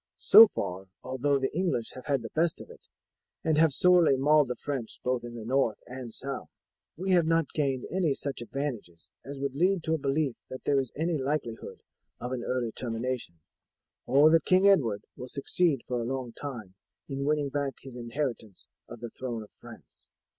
So far, although the English have had the best of it, and have sorely mauled the French both in the north and south, we have not gained any such advantages as would lead to a belief that there is any likelihood of an early termination, or that King Edward will succeed for a long time in winning back his inheritance of the throne of France."